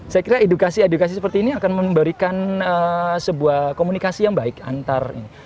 saya kira edukasi edukasi seperti ini akan memberikan sebuah komunikasi yang baik antar ini